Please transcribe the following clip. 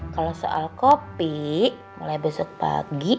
kalau soal kopi mulai besok pagi